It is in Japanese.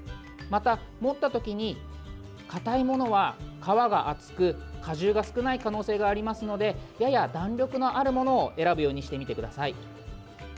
また、持ったときに硬いものは皮が厚く果汁が少ない可能性がありますのでやや弾力のあるものを選ぶようにしてみてください。